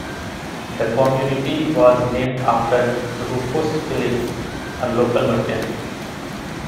The community was named after Rufus Phillips, a local merchant.